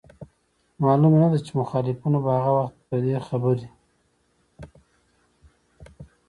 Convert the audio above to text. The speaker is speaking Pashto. معلومه نه ده چي مخالفينو به هغه وخت په دې خبري